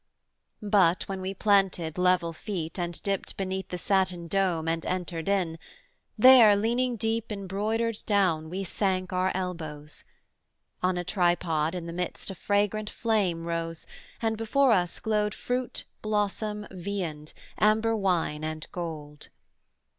But when we planted level feet, and dipt Beneath the satin dome and entered in, There leaning deep in broidered down we sank Our elbows: on a tripod in the midst A fragrant flame rose, and before us glowed Fruit, blossom, viand, amber wine, and gold.